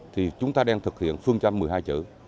thì chúng ta đang thực hiện phương châm một mươi hai chữ